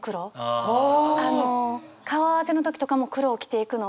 顔合わせの時とかも黒を着ていくのは。